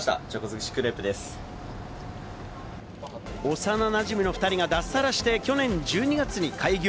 幼なじみの２人が脱サラして去年１２月に開業。